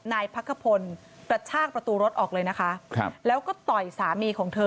นายพักขพลกระชากประตูรถออกเลยนะคะครับแล้วก็ต่อยสามีของเธอ